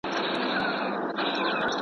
څوك به واچوي سندرو ته نومونه.